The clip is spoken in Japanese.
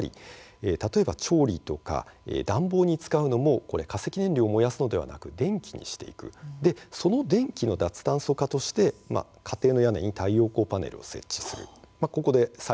調理とか暖房に使うのも化石燃料を燃やすのではなく電気にしていくその電気が脱炭素化として家庭の屋根に太陽光パネルを設置する。